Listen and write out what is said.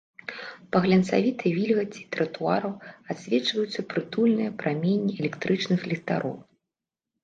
Па глянцавітай вільгаці тратуараў адсвечваюцца прытульныя праменні электрычных ліхтароў.